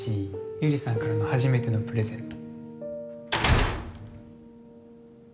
百合さんからの初めてのプレゼント